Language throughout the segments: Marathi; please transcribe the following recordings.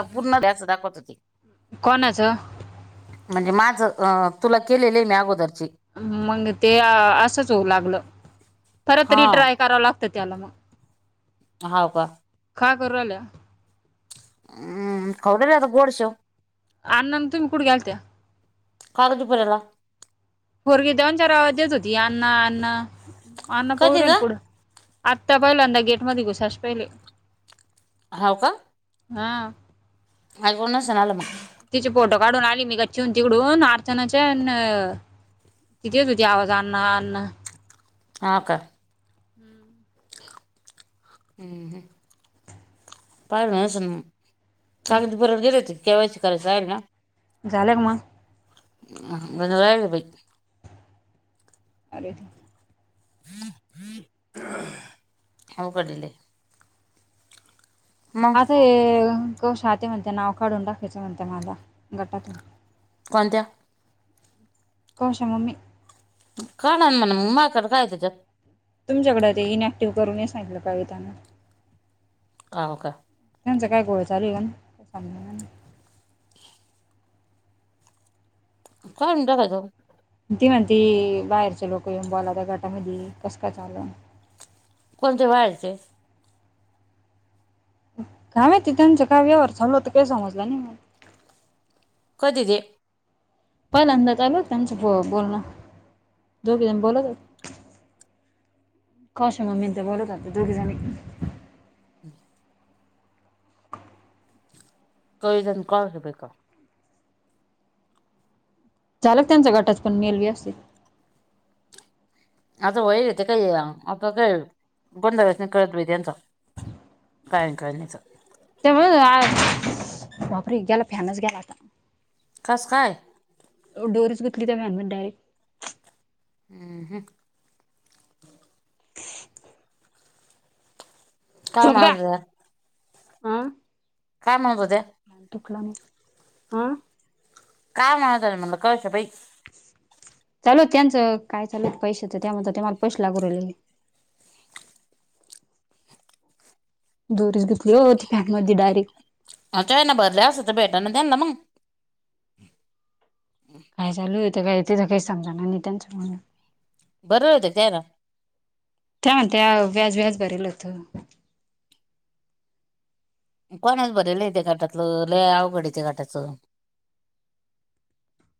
संपूर्ण डाश दाखवत होती. कोणाचं म्हणजे माझं अ, तुला केलेलं आहे मी अगोदर मंग ते असंच होऊ लागलं, परत हा रिट्राय करावं लागत त्याला मग हाव का? काय करु राहिल्या? हम्म खावू दे आता गोड शेव. आण्णान तुमी कुठ गेलत्या? कारद पुऱ्याला. पोरगी दोन, चार आवाज देत होती अण्णा, अण्णा पाहू कधी राहिल ग पुढं. आत्ता पहिल्यांदा गेट मध्ये घुसाशे पहिले. हाव का? हां. मागून असान आल मग. तिची फोटो काढून आली मी गच्चीहून, तिकडून अर्चनाच्यान ती देत होती आवाज अण्णा, अण्णा. हा का? हम्म हम्म म्म पायल असलं मग. चालतं परत गेलती के. वाय. सी करायचं राहिलं ना. झालं का मग? [unintelligible] [unintelligible] [unintelligible] मग आता ते को शाती म्हणते नाव काढून टाकायचं म्हणते मला, गटातून. कोणत्या? कोनशा मम्मी. काढा ना मग माकड काय त्याज्यात. तुमच्याकडे ते इन ऍक्टिव्ह करून ये सांगितलं का येताना. हाव का? त्याचा काय घोळ चालू झाल काढून टाकायचं. ती म्हणती बाहेरची लोक येऊन बोलाता गटामधी कसं काय झाल कोणते बाहेरच? काय माहिती तुमचा काय व्यवहार चालला होता समजलं नाही मला. कधी दे? पहिल्यादां झालं होत त्यांचं बोलणं दोघी जण बोलत हो काशा मामी आणि त्या बोलत होत्या दोघी जणी [unintelligible] [unintelligible] झालं का त्यांचा गटाचं काम मेलवी असतय आता वईेत काही आता काय गोंडळासने कळत नाही त्यांचं कायन काळनीचं ते होय, बापरे गेला फॅनच गेला आता खस काय? दोरीचं तुटली तर फॅन मध्ये हाय हम्म काम झोप का आज आलं हा, म्हणत होत्या तुटला मग, हा काय म्हणात म्हणलं कळत बाई चालू आहं त्यांचं काय चालू पैशाचं त्यामुळे म्हणते त्या मला पैसे लागू राहिलेले. दुरीचं घुसली वो ती फ्यान मध्ये डायरेक्ट आता आहे ना भरल्यास आता भेटा ना तेणा मग काय चालू हेय काय ते तर काही समजणा नाही त्यांचांगून बरं होतं का त्याला? त्या म्हणत, व्याज भरेल होत. कोणच बरल त्या गाटातलं लई अवघड आहं त्या गटाच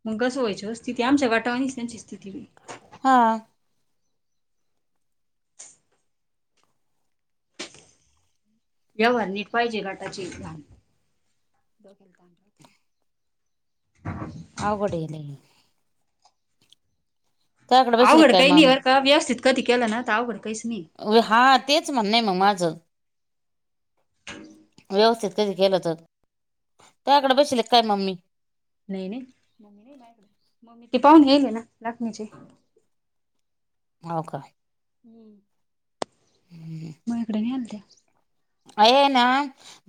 मग कसो होयचो स्थिती आमच्या गटावाणीच त्यांची स्थिती हां. व्यवहार निट पाहिजे गटाच्या इथला [unintelligible] अवघड आहे लई त्याकडे बसले अवघड काय काही नाही मग बर का व्यवस्थित कधी केलं ना तर अवघड काहीच नाही. ओ हा तेच म्हणणे आहे ना म माझं व्यवस्थित कधी केलं तर त्याकडे बसले काय मम्मी? नाही नाही ते पाहून गेले ना नाचणीचे हो काय. [inaudible] [unintelligible] मायाकडे नाही आणल्या. आहे ना?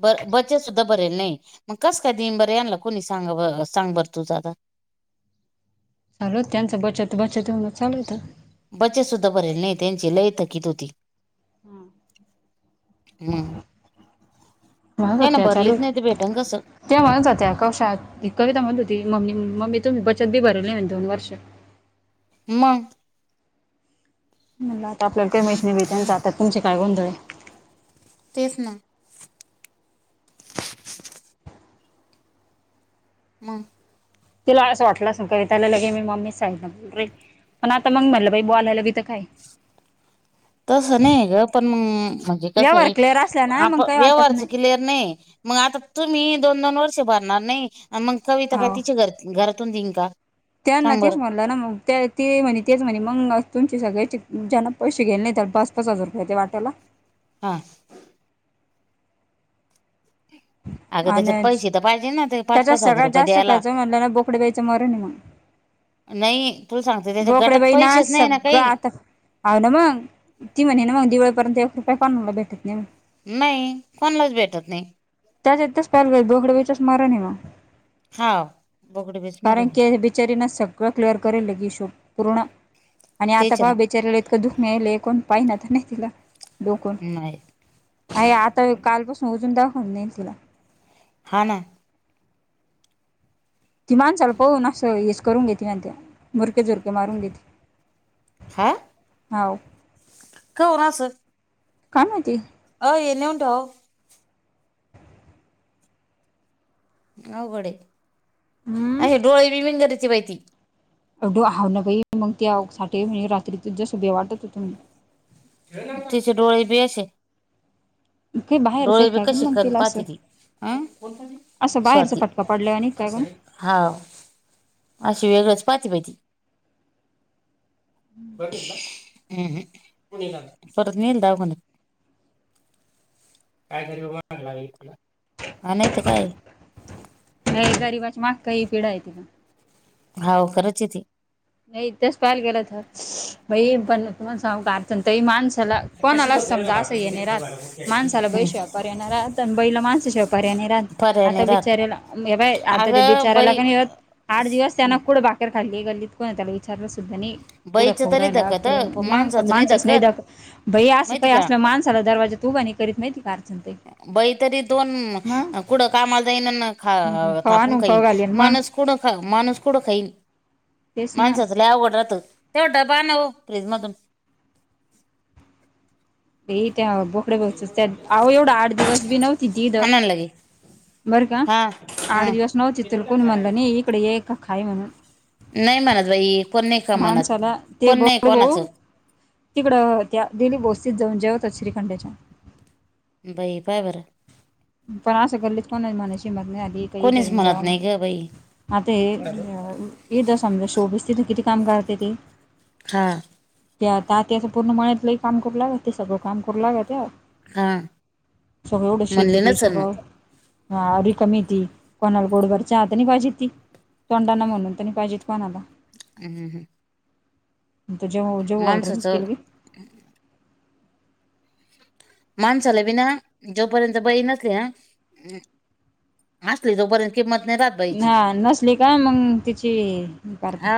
ब बचत सुद्धा भरेल नाही मग कस काय दिन बर यानला कोणी सांग सांग बर तूच आता. रोज त्याचं बचत बचत म्हणून चालू होत. बचत सुद्धा भरलेली नाही त्यांची लय थकीत होती. हम्. म्हणत हो ना होत्या चालू भरलीच नाही तर भेटन कसं. त्या म्हणत होत्या कशात ही कविता म्हणत होती मम्मी मम्मी तुम्ही बचत बी भरली नाही दोन वर्ष. मंग. म्हणल आता आपल्याला काही माहित नाही बाई त्यांच्या आता तुमचे काय गोंधळ तेच ना. मंग. तिला असं वाटलं असल कविताला लगे मी मम्मीच सांग रे पण आता मग म्हटलं बाई बोलायला भी तर काय? [inaudible] तसं नाही ग पण अअ म्हणजे कसये व्यवहार क्लिअर असला ना आप मग काही वाटत व्यवहारच नाही. क्लियर नाहीये. मग आता तुम्ही दोन दोन वर्ष भरणार नाही मंग कविता काय हाव. तिच्या घर घरातून देईन का? त्यांना सांग तेच बरं म्हणलं ना मग त्यात ते म्हणे तेच म्हणे मंग तुमची सगळ्याची ज्यांना पैसे घ्याले नाही त्या पाच पाच हजार रुपयाे दे वाटायला हां. अगं त्याच्यात आणि पैसे तर पाहिजे ना ते पाच त्याच्यात पाच हजार सगळ्यात रुपये जास्त द्यायला. खर्च म्हणलं ना बोकडेबाईचं मरण आहे मग नाही तू सांगते त्याच्या गटात पैसेच नाही ना काही. हाय ना मंग ती म्हणे ना मग दिवळीपर्यंत एक रुपया पण भेटत नाही मंग. नाही कोणालाच भेटत नाही. [unintelligible] हा बोगडी बीच कारण मरण की या बिचारी न स सगळं क्लिअर करेल की शो पूर्ण आणि आता तेच ना पहा बिचारले इतकं दुखण नाहीले कोण पाहिना तर नाही तिला डोकून नाही ऐय आता कालपासून ओजून दाखवून देईन तिला. हा ना. ती माणसाल पाहून असं हेच करून घेते म्हणत्या मुरके जुरके मारून घेते. हा हाव का हून असं? काय माहिती? अेे उटव अहकडे हम्म अे डोळे बिबनगची बाहिती एवढ आह नाई मग त्या साठ म्हणे रात्री त जसोभे वाटत होत ते डोळे ब असे काही बाहेरचं डोळे आहे बी काय गं कसे मग करन तिला पाह असं ती असं बाहेरचा पटका पडला आणि काय का हा अशी वेगळंच पाहात पाहिती हम् परत नल दवाखान्यात काय तरील तुला हा नाहीत काय नाही गररीबाची माग का ही पिढा आहे त का हो खरंच ते नाही तेच पहायला गेलं तर पण तमण सांग का प तही माणसाला कोणालाच समजा असं येणे राहात माणसाला हम्म बैश्यापार येणार राहात बैला माणसं शेवपारी्या आणि रा पर्याय आता नाही राहत बिचार्याला बा आता ते अगं बिचाराला बाई पण आठ दिवस त्यांन कुठं भाकर खाली गल्लीत कोण त्याला विचारलं सुद्धा नाही क पुढं बाईचं तरी खवरायला धकत पुढ मग पण माणसाचं माणसच नाही द धकत भई असं माहिती काय का असल्या माणसाला दरवाजा तुबाा नाही करीत माहिती का अर्चण ते मग कुडं कामाल जा येईन हम्म खाऊ खापून आणून काहीन खाऊ घालीन मग मन कुठं खा माणूस कुठं खाईन तेच ना माणसाचल्या अवघड राहत तेव्हा डबा नव फ्रीज मधून ते त्या बोकडे बघतोस आो एवढा आठ दिवस बी नव्हती दद आणा ना लगे बरं का हा आठ हा दिवस नव्हती तुल कोणी म्हणलं नाही इकडे ये का खाय म्हणून नाही म्हणत बाई कोण नाही का म्हणत माणसाला ते कोण नाही बोकडे बऊ कोणाचं तिकडं त्या दिली बोस्तीत जाऊन जेवतात श्रीखंडाच्या बाई बाबरं पण असं गल्लीत कोणाची म्हणायची हिम्मत नाही झाली की इथं इथं कोणीच ईवून म्हणत नाही ग बाई जेवा आणि ते तर समजा शोबीस तिथे किती? काम करते ते हा त्या आता त्याच पूर्ण मळतलं काम करू लागत ते सगळं काम करू लागत खा सगळवढं शेती म्हणले ते नसल मग सगळं हा र रिकमी ती कोणाला गोडबरच्या आता नाही पाहिजे ती तोंडा ना म्हणून तनी पाहिजेत कोणाला हम त जेव जेव बलर माणसाचं तलग माणसाला बीना जोपर्यंत बई नसते ह असली जोपर्यंत किंमत नाही राह हा नसली का मग तिची करते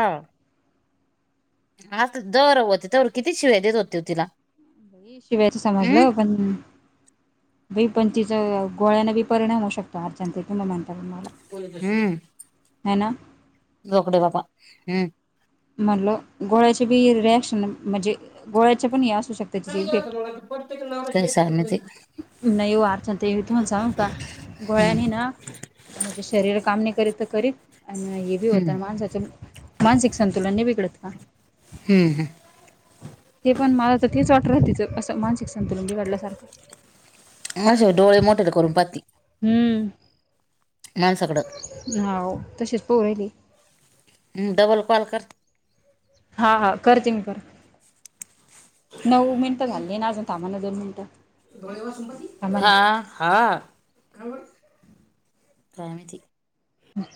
हा जर होती तर किती शिवाय देत होती तिला शिवायच हम्म समजलं पण ब पंचचा गोळ्यानाी परिणाम होऊ शकतो अर्जांचा किंवा मानता हम्म ह ना लोकडे पाप हम म्हणल गोळ्याचे बी रिॲक्शन म्हणजे गोळ्याचे पण हे असू शकते. तिचे इफेक्ट काय स म ते नाही ओ आता ते तुम्हाला सांगू का गोळ्यानी ना म्हणजे शरीर काम नाही करीत तर करीत आणि हे बी होत हम्म माणसाचे मानसिक संतुलन नही बिघडत का? हम् ह ते पण मला तर तीच वाटर तिचं असं मानसिक संतुलन बिघडल्यासारखं माझ्या वर डोळे मोठाले करून पाहती. हम्म. माणसाकड हाव तशीच पाहू राहिली. डबल कॉल कर. हा हा करते मी कॉल नऊ मिनटं झालीय ना अजून थांबना दोन मिनिटं थांबा ना हां हां कायमती